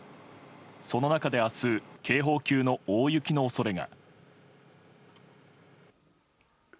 その中で明日警報級の大雪の恐れが。